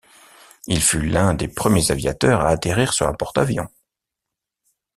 Il fut l'un des premiers aviateurs à atterrir sur un porte-avions.